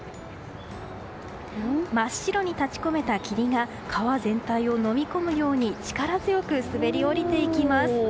真っ白に立ち込めた霧が川全体をのみ込むように力強く滑り降りていきます。